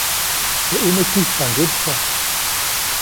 Teʼ ʼuneʼ kijpʼaŋgätpa.